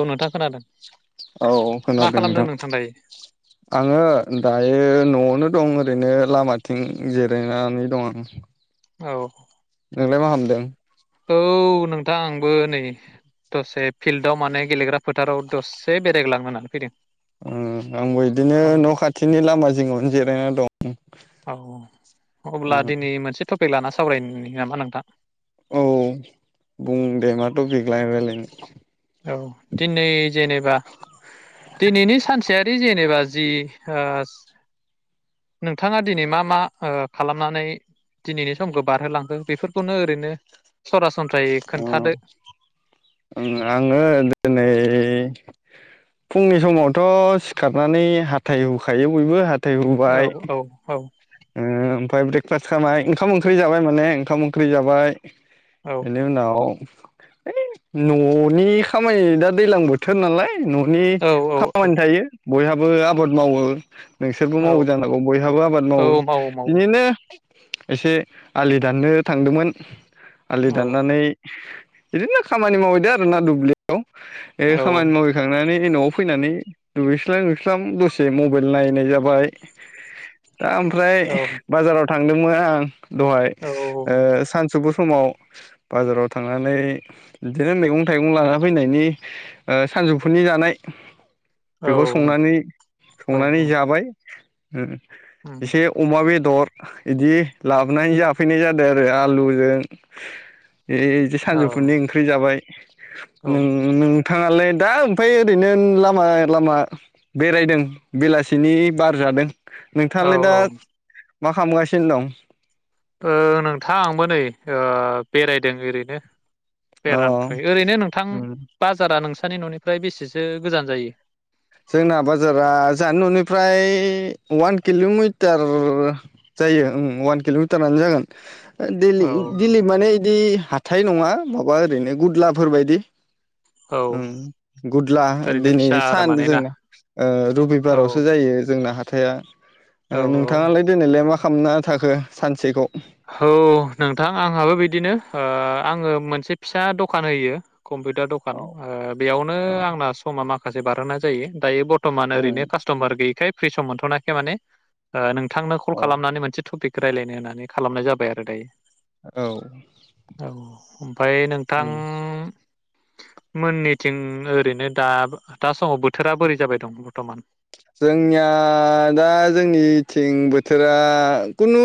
औ नोंथां खोनादों औ मा खोनादों खालामदों नोंथां दायो आङो दायो नआवनो दं ओरैनो लामाथिं जिरायनानै दं आं । औ नोंलाय मा हामदों औ नोंथां आंबो नै दसे फिल्डआव माने गेलेग्रा फोथाराव दसे बेरायग्लांनो होननानै फैदों। ओ आंबो इदिनो औ न'खाथिनि लामा जिङावनो जि रायना दं । औ अब्ला दिनै मोनसे थफि लाना सावरायनायनि नामा नोंथां औ बुंदों मा थफिग औ दिनै जेनेबा दिनैनि सानसेयारि जेनेबा जि नोंथाङा दिनै मा मा खालामनानै दिनैनि समखौ बारहोलांदों बेफोरखौनो ओरैनो सरासन अ आङो दिनै फुंनि समावथ' सिखारनानै हाथाय होखायो बयबो हा है औ हुबाय औ ओमफ्राय ब्रेकफास्ट खालामाय ओंखाम ओंख्रि जाबाय माने ओंखाम ओंख्रि जाबाय औ बेनि उनाव हैइ न'नि खामानि दा दैज्लां बोथोर नालाय । न'नि औ खामानि थायो । बयहाबो आबाद मावो । नोंसोरबो औ मावो जानांगौ बयहाबो आबाद औ मावो । मावो बिदिनो एसे आलि दाननो थांदोंमोन आलि औ दाननानै बिदिनो खामानि मावैदो आरो ना दुब्लियाव ए औ खामानि मावहैखांनानै बे न'आव फैनानै दुगैस्लां-लोबस्लां दसे मबाइल नायनाय जाबाय दा ओमफ्राय औ बाजाराव थांदोंमोन आं दहाय औ सानसौफु समाव बाजाराव थांनानै बिदिनो मैगं थाइगं लाना फैनायनि सानजौफुनि जानाय औ बेखौ संनानै औ संनानै जाबाय उम । एसे अमा बे दर इदि लाबोनाय जाफैनाय जादों आरो आलुजों एदि सानजौफुनि ओंख्रि जाबाय औ नों नोंथाङालाय? दा ओमफाय ओरैनो लामा लामा बेरायदों, बेलासिनि बार जादों। थालाय दा औ मा खालामगासिनो दं? ओ नोंथां आंबो नै ओ बेरायदों ओरैनो। अ बेरानिफ्राय ओरैनो नोंथां उम बाजारा नों सानि ननिफ्राय बेसेसो गोजान जायो? जोंना बाजारा जाहानि न'निफ्राय अवान किल'मिटार जायो ओ उम अवान किल'मिटारानो जागोन। दिलि औ दिलि माने इदि हाथाय नङा माबा ओरैनो गुदलाफोर बायदि औ गुदला ओरैनो दिनै फिसा आरो सान माने ना जोंना ओ औ रबिबारावसो जायो जोंना हा थाया औ ओ औ नोंथाङालाय दोनैलाय मा खालामना थाखो सानसेखौ? औ नोंथां आंहाबो बिदिनो ओ आङो मोनसे फिसा द'खान होयो। कम्पिउटार दखान औ ओ बेयावनो औ आंना समा मा माखासे बारोनाय जायो, दायो बर्थमान उम ओरैनो कास्टमार गैयैखाय फ्रि सम मोनथ'नायखाय माने ओ नों थांनो कल औ खालामनानै मोनसे टपिक रायलायनो होननानै खालामनाय जाबाय आरो दायो औ औ ओमफाय नोंथां उम मोननिथिं ओरैनो दा दा समाव बोथोरा बोरै जाबाय दं बरथमान? जोंनिया दा जोंनिथिं बोथोरा खुनु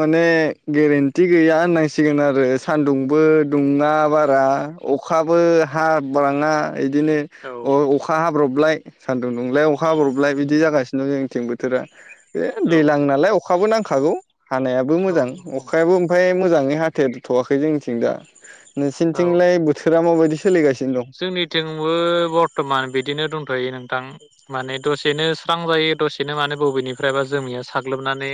माने गेरेन्टि गैया होननांसिगोन आरो सानदुंबो दुङा बारा अखाबो हाबाङा इदिनो औ अ' अखा हाब्रबलाय सान दुं दुंलाय अखा हाब्रबलाय बिदि जागासिनो जोंनिथिं बोथोरा। बे औ दैलां नालाय अख अखाबो नांखागौ। हानायाबो औ मोजां अखायाबो ओमफाय मोजाङै हा देर थ'वाखै जोंनिथिं दा औ नोंसिनिथिंलाय बोथोरा माबादि? सोलिगासि जोंनिथिंबो बर्थमान बिदिनो दंथयो नोंथां। माने दसेनो स्रां जायो दसेनो माने बबेनिफ्रायबा जोमैया साग्लोबनानै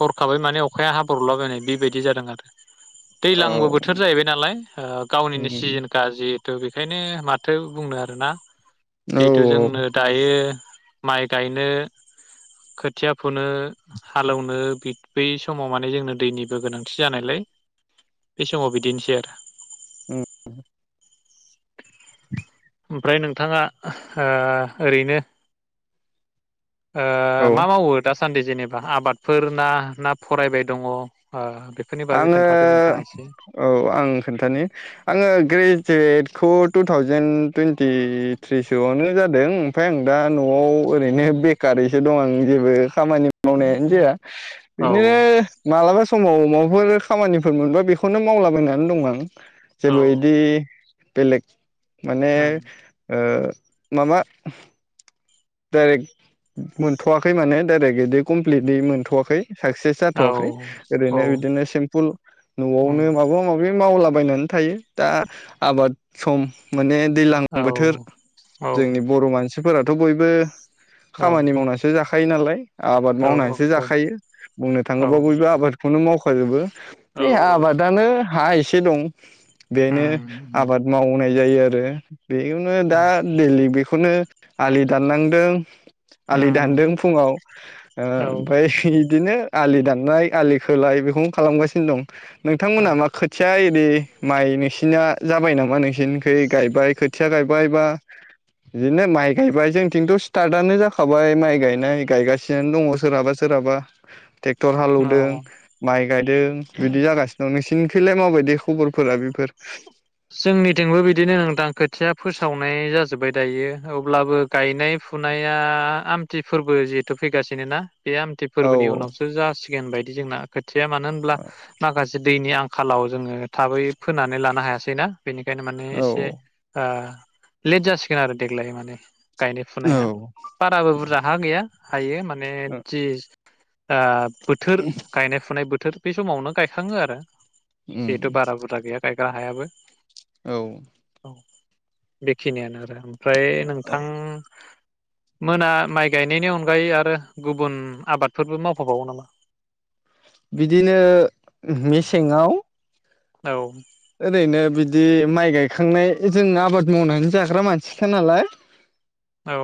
हरखाबै माने अखाया हाब्रबलाबायनाय बेबायदि जादों आरो। औ दैलांबो बोथोर जाहैबाय नालाय ओ गावनिनो उम सिजोनखा जि दा बे ओंखायनो माथो बुंनो आरोना। औ जिहेथु जोंनो दायो माइ गायनो खोथिया फुनो हालौनो बे बै समाव माने जोंनो दैनिबो गोनांथि जानायलाय बे समाव बिदिनोसै। आरो उम ओमफ्राय नोंथाङा ओ ओरैनो ओ औ मा मावो दा सान्दि जेनेबा आबादफोर ना ना फरायबाय दङ ओ बेफोरनि बागै आङो खोन्थादो नोंथाङा एसे औ आं खोन्थानि आङो ग्रेजुवेट खौ टुथावजेेन टुइन्टिथ्रि सोआवनो जादों ओमफ्राय आं दा न'आव ओरैनो बेखारैसो दं आं जेबो खामानि मावनायानो जाया औ बिदिनो मालाबा स समाव माव बहायबा खामानिफोर मोनबा बेखौनो मावलाबायना दं आं। औ जेबो इदि बेेलेग माने उम ओ माबा डाइरेक्ट मोनथवाखै माने डाइरेक्ट इदि कमप्लिटलि मोनथवाखै साक्सेस औ जाथवाखै औ ओरैनो बिदिनो सिम्पोल उम नआवनो माबा माबि मावलाबायनानै थायो दा आबाद सम माने दैलां औ बोथोर औ जोंनि बर' मानसि फोरथ' बयबो बो खामानि मावनासो जाखा खायो नालाय आबाद औ मावनानैसो औ जाखायो बुंनो औ थाङोब्ला बयबो आबादखौनो मावखाजोबो बे औ औ आबादानो हाय से दं। बेनो उम आबाद मावनाय। जायो आरो बेखौनो दा दैलि बेखौ खौनो आलि दाननांदों आलि उम दानदों फुङाव ओ औ ओमफ्राय इदिनो। आलि दाननाय आलि खोलाय बेखौनो खालामगासिनो दं। औ नोंथांमोना मा खोथिया इदि माइ नोंसिना जाबाय नामा नोंसिनिखै गायबाय खोथिया गायबाय बा इदिनो माइ गायबाय। जोंथिंथ' स्टाटआनो जाखाबाय माइ गायनाय गायगासिनो दङ सोरहाबा सोरहाबा टेक्टर हालौदों औ माइ गायदों बिदि जागासिनो दं नोंसि खैलाय माबायदि खबरफोरा बेफोर जोंनिथिंबो बिदिनो नोंथां खोथिया फोसावनाय जाजोब्बाय। दायो अब्लाबो गायनाय फुनाया आमथि फोरबो जिहेथु फैगासिनो ना बे आमथि औ फोरबोनि उनावसो जासिगोन बायदि। जोंना खो थिया मानो होनब्ला औ माखासे दैनि आंखालाव जोङो थाबै फोनानै ला नो हायासै ना बेनिखायनो माने औ एसे ओ लेट जासिगोन आरो देग्लाय माने गायनाय फुनाया औ बाराबो बुरजा हा गैया। हायो मा ने जि आब बोथोर गायनाय फुनाय बोथोर। बे समावनो गायखाङो आरो उम जेहेतु बारा बुरजा गैया गाय गाहायाबो औ बेखिनियानो आरो होम ओमफ्राय नोंथां मोना माइ गायनायनि अनगायै आरो गुबुन आबादफोरबो मावफाबावो नामा? बिदिनो मेसेंङाव औ ओरैनो बिदि माइ गायखांनाय जों आबाद मावनानै जाग्रा मानसिखा नालाय। औ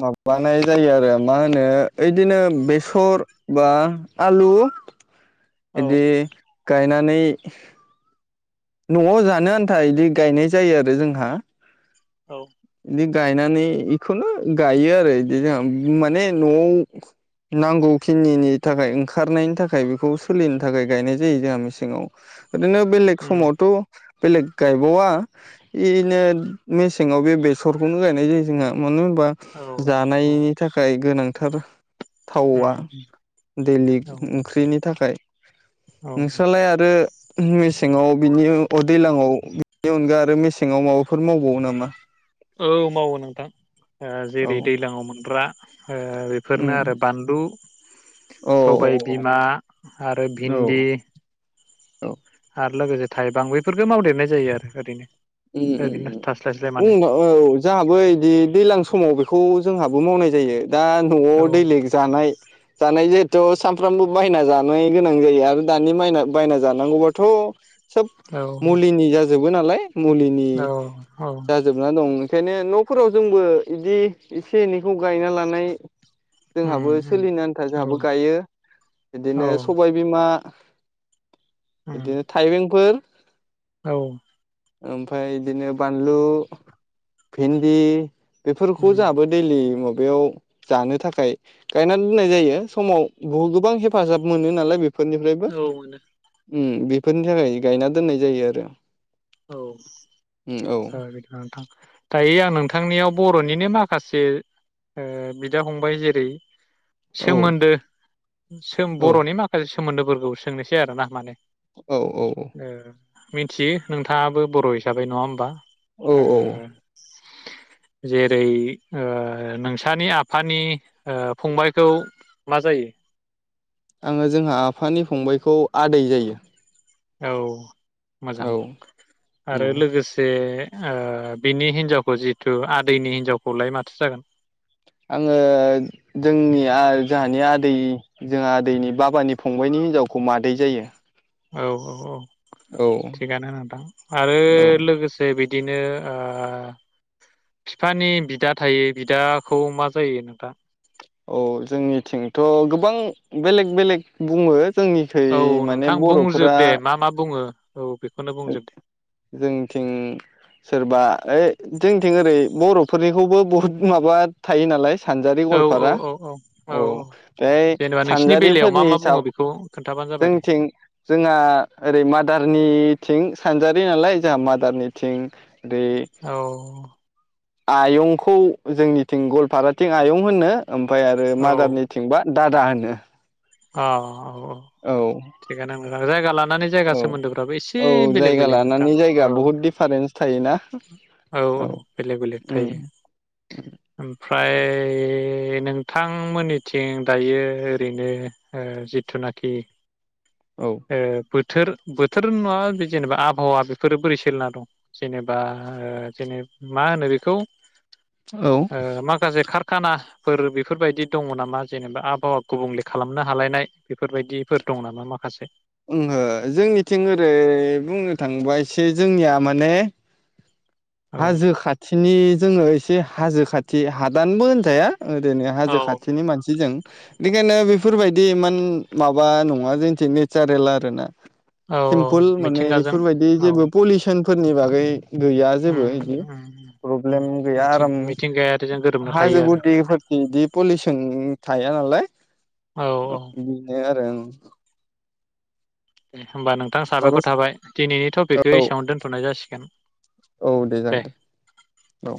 माबानाय जायो आरो मा होनो ओयदिनो बेसर बा आलु। औ इदि गायनानै न'आव जानो आन्था इदि गायनाय जायो आरो जोंहा औ। इदि गायनानै इखौनो गायो आरो इदि जोंहा माने न'आव नांगौखिनिनि थाखाय ओंखारनायनि थाखाय बेखौ सोलिनो थाखाय गायनाय जायो जाहा मेसेंङाव ओरैनो बेलेग उम समावथ' बेलेग गायबावा इनो मेसेंङाव बे बे सरखौनो गायनाय जायो जोंहा मानो होन बा औ जानायनि थाखाय गोनां थार उम थावा उम दैलिक औ ओंख्रैनि थाखाय औ नोंस्रालाय आरो मेसेंङाव बिनि अ दैलांआव बिनि अनगा आरो मेसेंङाव माबाफोर मावबावो नामा? औ मावो नोंथां ओ औ जेरै दैलांआव मोनग्रा ओ बेफोरनो उम आरो बानलु औ सबाय बिमा आरो औ औ भिन्दि औ। आरो लोगोसे थाइबां बैफोरखोनो मावदेरनाय जायो आरो ओरैनो उम ओरैनो उम थास्लायस्लाय माने उम उ औ जाहाबो इदि दैलां स समाव बेखौ जोंहाबो मावनाय जायो दा न'आव औ दैलिक जानाय जानाय जो थ' सानफ्रामबो बायना जानाय गोनां जायो आरो दानि मायना बायना जानांगौबाथ' सोब औ मुलिनि जा जोबो नालाय मुलिनि औ औ जाजोबना दं। ओंखायनो नफोराव जोंबो बिदि एसे एनैखौ गायना लानाय उम जोंहाबो उम सोलिनो आन्था औ जोंहाबो गायो औ बिदिनो सबायबिमा, उम बिदिनो थाइबेंफोर औ ओमफ्राय बिदिनो बानलु भिन्दि। बेफोरखौ उम जोंहाबो दैलि मोनो बेयाव जानो थाखाय गायनानै दोननाय जायो। समाव बहु गोबां हेफाजाब मोनो नालाय बेफो बेफोरनिफ्रायबो। औ मोनो उ बेफोरनि थाखाय गायना दोननाय जायो आरो। औ उम दायो आं नोंथांनियाव बर'निनो माखासे ओ बिदा फंबाय जेरै औ सोमोन्दो। औ बर'नि माखासे सोमोन्दोफोर। औ सोंनोसै आरो ना माने औ औ औ। ओ मिथियो नोंथाङाबो बर' हिसाबै नङा होमबा? औ ओ औ जेरै ओ नोंसानि आफानि ओ फंबायखौ मा जायो? आंङो जोंहा आफानि फंबाइखौ आदै जायो। औ मोजां औ आरो औ लोगोसे ओ बिनि हिनजावखौ जिहेथु आदैनि हिनजावखौलाय माथो जागोन? आंङो जोंनि जोंहानि आदै जोंहा आदैनि बाबानि फंबायनि हिनजावखौ मादै जायो। औ औ औ। औ थिगानो नोंथां आरो औ लोगोसे बिदि। बिदिनो ओ बिफानि बिदा थायो बिदाखौ मा जायो नोंथा? औ जोंनिथिंथ' गोबां बेलेग बेलेग बुंङो। औ नोंथां बुंजोब दे मा मा बुङो औ। बेखौनो बुंजोब दे जोंथिं सोरबा ओ जोंथिं ओरै बर'फोरनिखौबो बहुद माबा थायो नालाय सानजारि औ औ गवालपारा औ औ बे जेनेबा नोंसिनि बेलायाव मा सानजारिफोरनि मा बुङो हिसाब बेखौ खोन्थाबानो जाबाय दे जोंथिं जोंहा ओरै मादारनि सानजारि नालाय जोंहा मादार निथिं औ आयंखौ जोंनिथिं गवालपाराथिं आयं होननो ओमफ्राय आरो मादारनिथिंबा दादा होनो अ अ अ' औ थिगानो नोंथां जायगा लानानै जायगा औ सोमोन्दोफ्राबो एसे औ बेलेग जायगा बेलेग नोंथां लानानै जायगा औ बहुद दिफारेन्स थायोना औ औ बेलेग बेलेग उम थायो ओमफ्राय नों थांमोननिथिं दायो ओरैनो ओ जेथुनाखि औ ओ बोथोर बोथोर नंङा जेनेबा आबहावा बेफोरो बोरै सोलिना दं जेनेबा ओ जेने मा होनो बेखौ ओ माखासे खार खानाफोर बेफोरबायदि दंङ नामा जेनेबा आबहावा गुबुंले खालाम हमनो हालायनाय बेफोरबायदिफोर दं नामा माखासे? ओंहो जोंनिथिं ओरै बुंनो थाङोबा एसे जोंनिया माने औ हाजो खाथिनि जोंङो एसे हाजो खाथि हादानबो होनजाया ओरैनो हाजो औ खाथिनि मानसिजों बेखायनो बेफोरबायदि इमान माबा नंङा जोंनिथिं नेचारेल आरो ना औ सिम्पुल माने मिथिंगाजों बेफोरबायदि औ जेबो पलिसन फोरनि बागै गैया उम जेबो इदि उम उम प्रब्लेम गैया मिथिं आराम मिथिंगायारिजों गोरोबना थायो हाजो आरो गुदिफोर बिदि पलिउसन थाया नालाय औ ओ औ बिनो आरो उम। [unintelligible] होमबा नोंथां माबा साबायखर थाबाय दिनैनि टपिकखौ औ एसेआवनो दोनथ'नाय जासिगोन दे। औ